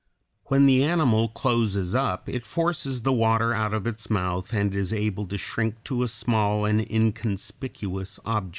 When the animal closes up, it forces the water out of its mouth and is able to shrink to a small and inconspicuous object.